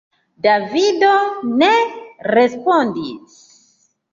Davido ne respondis.